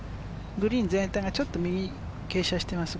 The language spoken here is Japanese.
グリーン全体が右に傾斜しています。